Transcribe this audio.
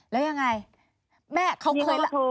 แล้วยังไงแม่เขาเคย